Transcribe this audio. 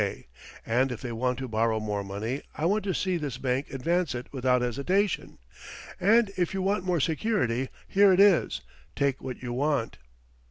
K., and if they want to borrow more money I want to see this bank advance it without hesitation, and if you want more security, here it is; take what you want."